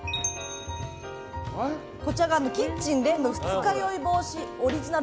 これがキッチン蓮の二日酔い防止オリジナル